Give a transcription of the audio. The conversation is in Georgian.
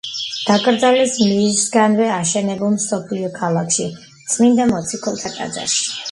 დაკრძალეს მისგანვე აშენებულ „მსოფლიო ქალაქში“, წმინდა მოციქულთა ტაძარში.